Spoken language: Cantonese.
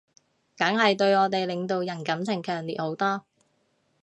梗係對我哋領導人感情強烈好多